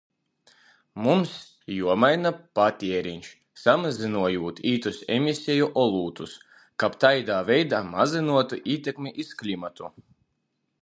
Mums juomaina patiereņš, samazynojūt itūs emiseju olūtus, kab taidā veidā mazynuotu ītekmi iz klimatu.